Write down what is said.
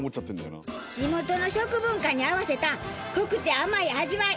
地元の食文化に合わせた濃くて甘い味わい。